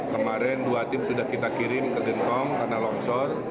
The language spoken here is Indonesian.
kemarin dua tim sudah kita kirim ke dentong karena longsor